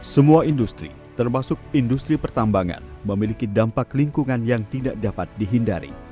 semua industri termasuk industri pertambangan memiliki dampak lingkungan yang tidak dapat dihindari